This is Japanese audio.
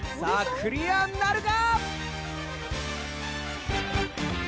クリアなるか？